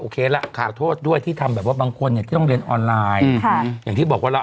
เขาว่าจริงเขาก็คาดการณ์ว่า